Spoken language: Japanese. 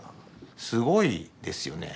すごいですよね。